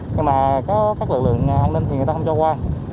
nhưng mà có các lực lượng an ninh thì người ta không cho qua